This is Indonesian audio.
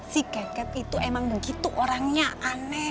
si keket itu emang begitu orangnya aneh